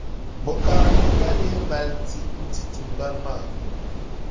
Bo ka a mii gba leei mali n-ti tiŋgbani maa?